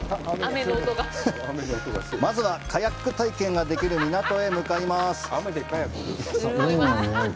まずはカヤック体験ができる港へ向かいます。